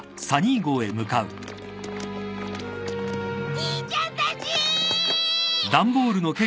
・兄ちゃんたち！